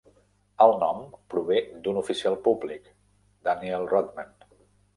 El nom prové d'un oficial públic, Daniel Rodman.